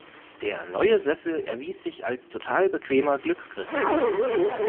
Der neue Sessel erwies sich als total bequemer Glücksgriff.